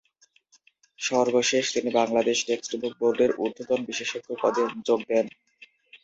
সর্বশেষ তিনি Bangladesh text book বোর্ডের ঊর্ধ্বতন বিশেষজ্ঞ পদে যোগ দেন।